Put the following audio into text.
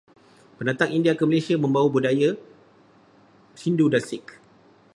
Pendatang India ke Malaysia membawa mereka budaya Hindu dan Sikh.